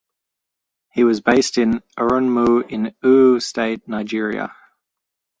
He was based in Erunmu in Oyo State, Nigeria.